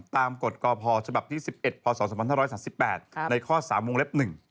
ตามกฎกพที่๑๑พศ๕๓๘ในข้อ๓วงเล็บ๑